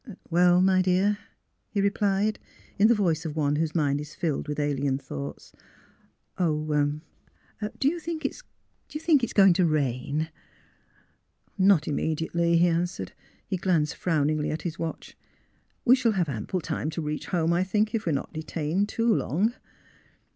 '' Well, my dear? " he replied, in the voice of one whose mind is filled with alien thoughts. " Oh, I Do — do you think it is going to rain? "'' Not immediately," he answered. He glanced frowningly at his watch. '' We shall have ample time to reach home, I think, if we are not detained too long."